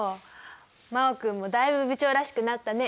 真旺君もだいぶ部長らしくなったね。